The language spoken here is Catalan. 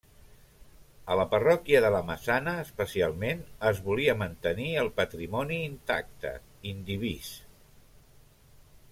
A la parròquia de La Massana especialment es volia mantenir el patrimoni intacte, indivís.